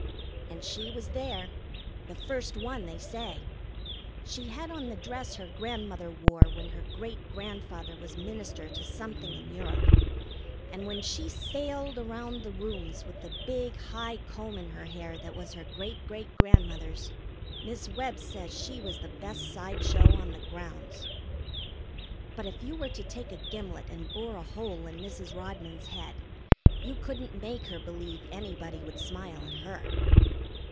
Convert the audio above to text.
And she was there. The first one, they say. She had on the dress her Grandmother wore when her great grandfather was minister to something in Europe; and when she sailed around the rooms with the big, high comb in her hair that was her great great grandmother's, Miss Webb says she was the best side show on the grounds. But if you were to take a gimlet and bore a hole in Mrs. Rodman's head, you couldn't make her believe anybody would smile at Her.